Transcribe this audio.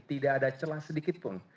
tidak ada celah sedikit pun